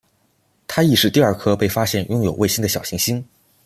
它亦是第二颗被发现拥有卫星的小行星。